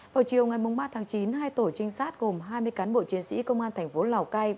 vào chiều ngày ba tháng chín hai tổ trinh sát gồm hai mươi cán bộ chiến sĩ công an thành phố lào cai